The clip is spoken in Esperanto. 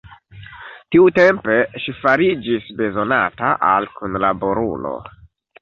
Tiutempe ŝi fariĝis bezonata al kunlaborulo.